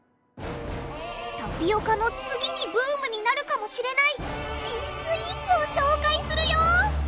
タピオカの次にブームになるかもしれない新スイーツを紹介するよ！